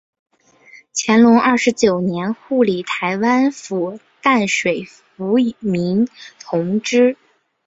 乾隆二十九年护理台湾府淡水抚民同知。